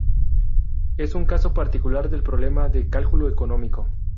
Es un caso particular del Problema de Cálculo Económico.